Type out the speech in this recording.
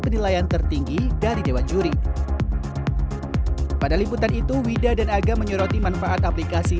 penilaian tertinggi dari dewa juri pada liputan itu wida dan aga menyoroti manfaat aplikasi